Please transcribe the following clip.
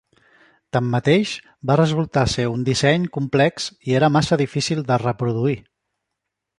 Tanmateix, va resultar ser un disseny complex i era massa difícil de reproduir.